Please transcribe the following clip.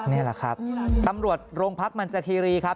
นี่แหละครับตำรวจโรงพักมันจคีรีครับ